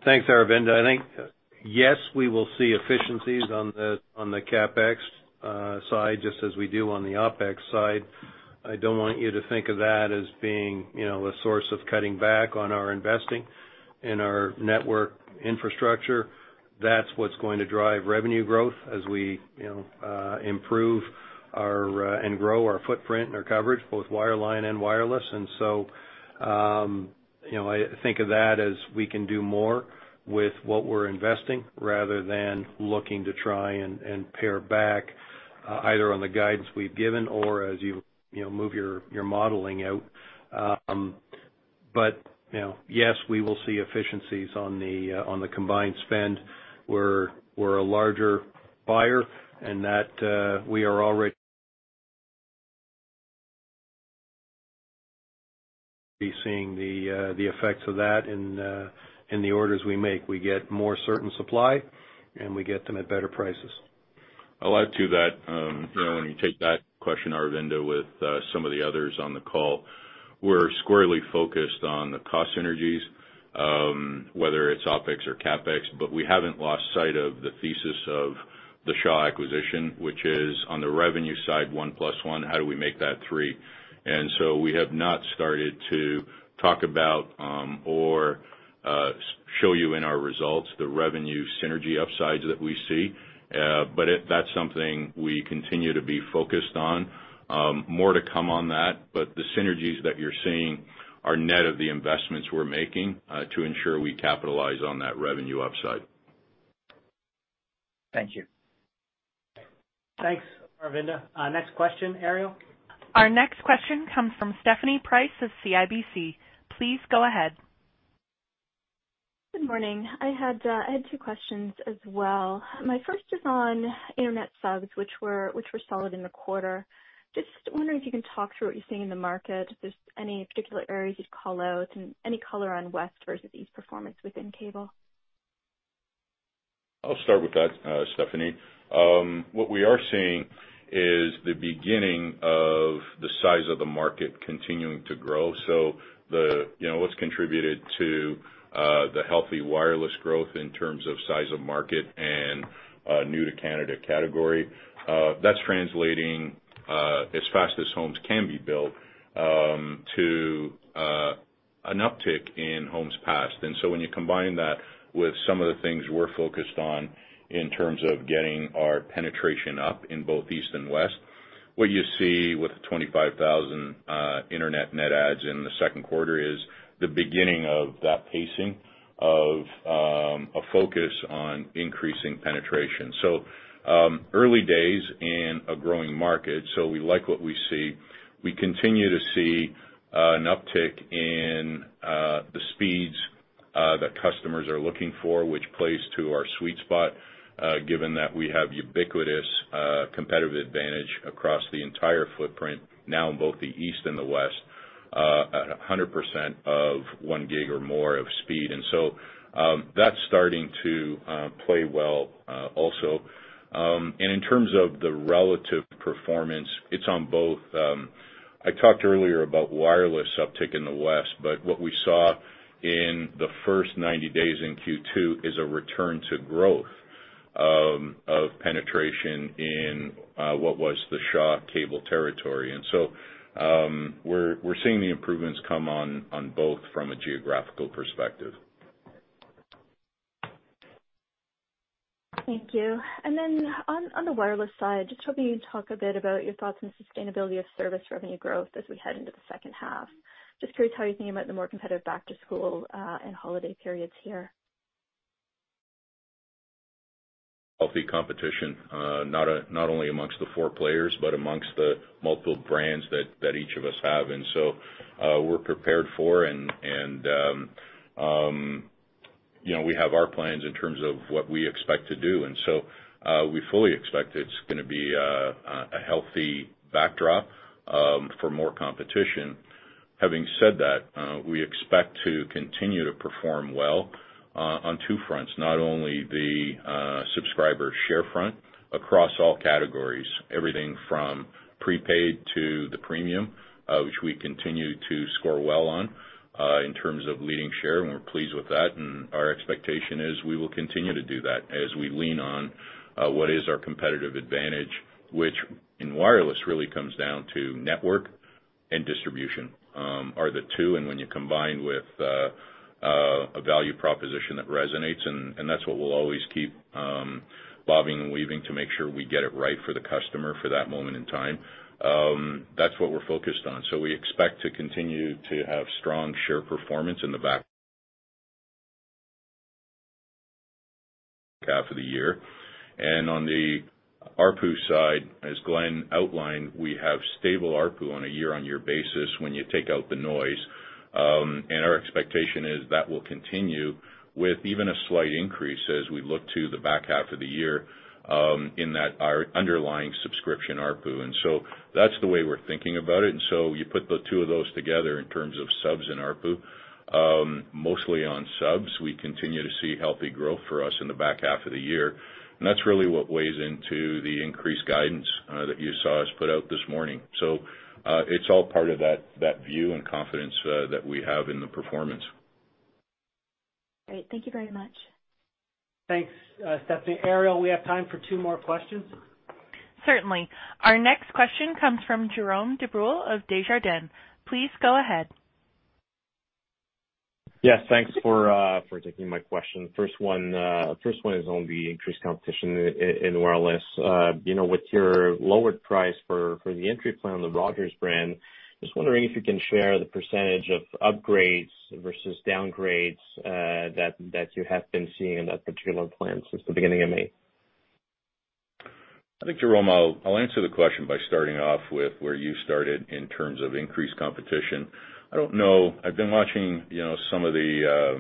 Thanks, Aravinda. I think, yes, we will see efficiencies on the CapEx side, just as we do on the OpEx side. I don't want you to think of that as being, you know, a source of cutting back on our investing in our network infrastructure. That's what's going to drive revenue growth as we, you know, improve our and grow our footprint and our coverage, both wireline and wireless. I think of that as we can do more with what we're investing, rather than looking to try and pare back either on the guidance we've given or as you know, move your modeling out. But, you know, yes, we will see efficiencies on the combined spend. We're a larger buyer, and that we are already seeing the effects of that in the orders we make. We get more certain supply, and we get them at better prices. I'll add to that, you know, when you take that question, Aravinda, with some of the others on the call, we're squarely focused on the cost synergies, whether it's OpEx or CapEx, but we haven't lost sight of the thesis of the Shaw acquisition, which is on the revenue side, one plus one, how do we make that three? We have not started to talk about, or show you in our results, the revenue synergy upsides that we see. That's something we continue to be focused on. More to come on that, but the synergies that you're seeing are net of the investments we're making, to ensure we capitalize on that revenue upside. Thank you. Thanks, Aravinda. Next question, Ariel? Our next question comes from Stephanie Price of CIBC. Please go ahead. Good morning. I had two questions as well. My first is on internet subs, which were solid in the quarter. Just wondering if you can talk through what you're seeing in the market, if there's any particular areas you'd call out, and any color on West versus East performance within cable? I'll start with that, Stephanie. What we are seeing is the beginning of the size of the market continuing to grow. The, you know, what's contributed to the healthy wireless growth in terms of size of market and new to Canada category, that's translating as fast as homes can be built to an uptick in homes passed. When you combine that with some of the things we're focused on in terms of getting our penetration up in both East and West, what you see with the 25,000 Internet net adds in the Q2 is the beginning of that pacing of a focus on increasing penetration. Early days in a growing market, so we like what we see. We continue to see an uptick in the speeds that customers are looking for, which plays to our sweet spot given that we have ubiquitous competitive advantage across the entire footprint now in both the East and the West, 100% of one gig or more of speed. That's starting to play well also. In terms of the relative performance, it's on both. I talked earlier about wireless uptick in the West, but what we saw in the first 90 days in Q2 is a return to growth of penetration in what was the Shaw Cable territory. We're seeing the improvements come on both from a geographical perspective. Thank you. Then on the wireless side, just hoping you'd talk a bit about your thoughts on the sustainability of service revenue growth as we head into the second half. Just curious how you think about the more competitive back to school and holiday periods here. Healthy competition, not only amongst the four players, but amongst the multiple brands that each of us have. We're prepared for and, you know, we have our plans in terms of what we expect to do. We fully expect it's gonna be a healthy backdrop for more competition. Having said that, we expect to continue to perform well on two fronts, not only the subscriber share front across all categories, everything from prepaid to the premium, which we continue to score well on, in terms of leading share, and we're pleased with that. Our expectation is we will continue to do that as we lean on, what is our competitive advantage, which in wireless, really comes down to network and distribution, are the two. When you combine with a value proposition that resonates, and that's what we'll always keep bobbing and weaving to make sure we get it right for the customer for that moment in time. That's what we're focused on. We expect to continue to have strong share performance in the back half of the year. On the ARPU side, as Glenn outlined, we have stable ARPU on a year-on-year basis when you take out the noise. Our expectation is that will continue with even a slight increase as we look to the back half of the year, in that, our underlying subscription ARPU. That's the way we're thinking about it. You put the two of those together in terms of subs and ARPU, mostly on subs, we continue to see healthy growth for us in the back half of the year. That's really what weighs into the increased guidance, that you saw us put out this morning. It's all part of that view and confidence, that we have in the performance. Great. Thank you very much. Thanks, Stephanie. Ariel, we have time for two more questions. Certainly. Our next question comes from Jérome Dubreuil of Desjardins. Please go ahead. Yes, thanks for taking my question. First one is on the increased competition in wireless. You know, with your lowered price for the entry plan on the Rogers brand, just wondering if you can share the percentage of upgrades versus downgrades that you have been seeing in that particular plan since the beginning of May? I think, Jerome, I'll answer the question by starting off with where you started in terms of increased competition. I don't know. I've been watching, you know, some of the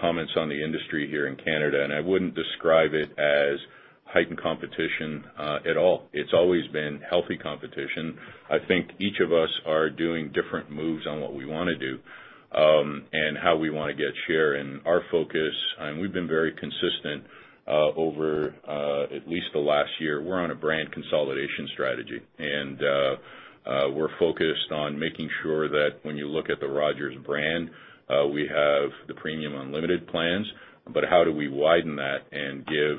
comments on the industry here in Canada, and I wouldn't describe it as heightened competition at all. It's always been healthy competition. I think each of us are doing different moves on what we wanna do, and how we wanna get share. Our focus, and we've been very consistent, over at least the last year. We're on a brand consolidation strategy, and we're focused on making sure that when you look at the Rogers brand, we have the premium unlimited plans, but how do we widen that and give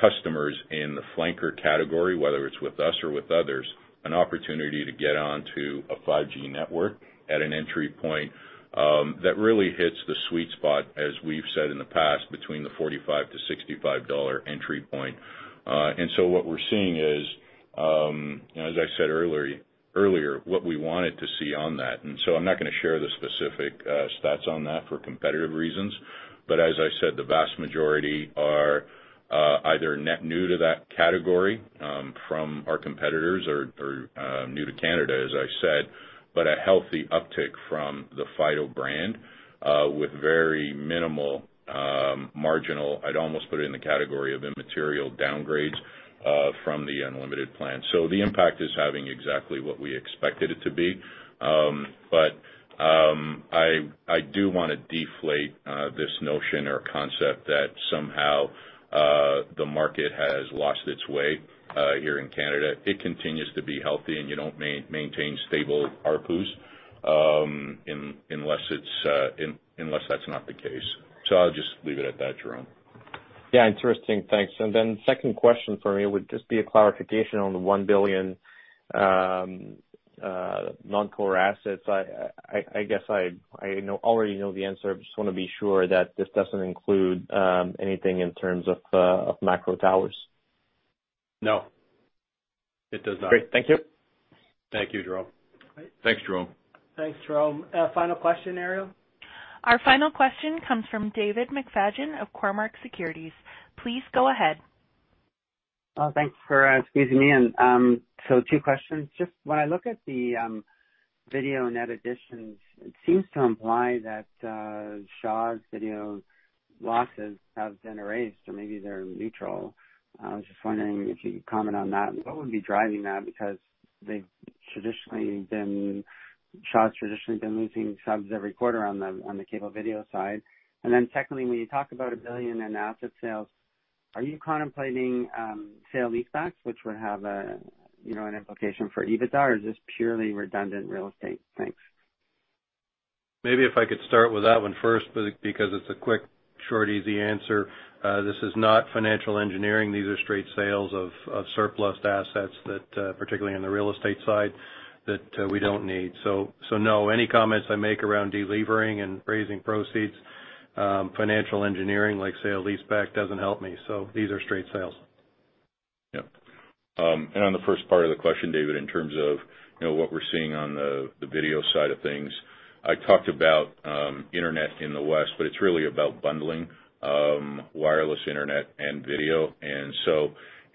customers in the flanker category, whether it's with us or with others, an opportunity to get onto a 5G network at an entry point that really hits the sweet spot, as we've said in the past, between the $45-$65 entry point. What we're seeing is, as I said earlier, what we wanted to see on that. I'm not gonna share the specific stats on that for competitive reasons, but as I said, the vast majority are either net new to that category from our competitors or new to Canada, as I said. A healthy uptick from the Fido brand, with very minimal, I'd almost put it in the category of immaterial downgrades from the unlimited plan. The impact is having exactly what we expected it to be. I do wanna deflate this notion or concept that somehow the market has lost its way here in Canada. It continues to be healthy, and you don't maintain stable ARPU, unless that's not the case. I'll just leave it at that, Jerome. Yeah, interesting. Thanks. Then second question for me would just be a clarification on the 1 billion non-core assets. I guess I already know the answer. I just wanna be sure that this doesn't include anything in terms of macro towers. No, it does not. Great. Thank you. Thank you, Jerome. Thanks, Jerome. Thanks, Jerome. Final question, Ariel? Our final question comes from David McFadgen of Cormark Securities. Please go ahead. Thanks for squeezing me in. Two questions. Just when I look at the video net additions, it seems to imply that Shaw's video losses have been erased or maybe they're neutral. I was just wondering if you could comment on that and what would be driving that, because Shaw's traditionally been losing subs every quarter on the cable video side. Secondly, when you talk about 1 billion in asset sales, are you contemplating sale leasebacks, which would have a, you know, an implication for EBITDA? Or is this purely redundant real estate? Thanks. Maybe if I could start with that one first, but because it's a quick, short, easy answer. This is not financial engineering. These are straight sales of surplus assets that particularly on the real estate side, that we don't need. No, any comments I make around delevering and raising proceeds, financial engineering, like sale leaseback, doesn't help me. These are straight sales. Yep. On the first part of the question, David, in terms of, you know, what we're seeing on the video side of things, I talked about internet in the West, but it's really about bundling wireless internet and video.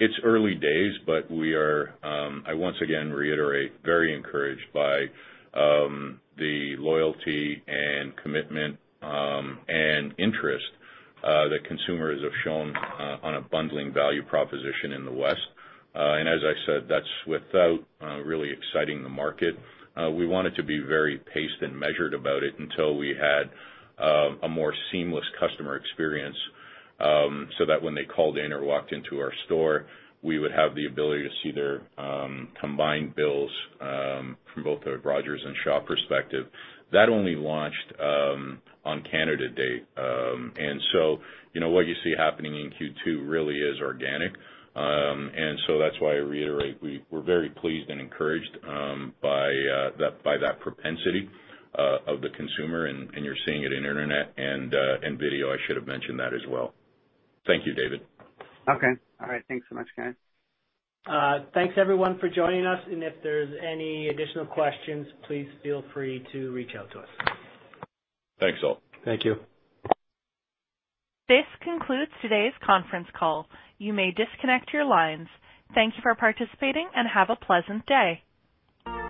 It's early days, but we are, I once again reiterate, very encouraged by the loyalty and commitment and interest that consumers have shown on a bundling value proposition in the West. As I said, that's without really exciting the market. We wanted to be very paced and measured about it until we had a more seamless customer experience so that when they called in or walked into our store, we would have the ability to see their combined bills from both a Rogers and Shaw perspective. That only launched on Canada Day. You know, what you see happening in Q2 really is organic. That's why I reiterate, we're very pleased and encouraged by that propensity of the consumer, and you're seeing it in internet and in video. I should have mentioned that as well. Thank you, David. Okay. All right. Thanks so much, guys. Thanks everyone for joining us, and if there's any additional questions, please feel free to reach out to us. Thanks, all. Thank you. This concludes today's conference call. You may disconnect your lines. Thank you for participating and have a pleasant day.